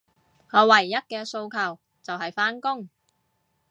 我唯一嘅訴求，就係返工